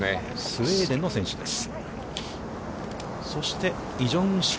スウェーデンの選手です。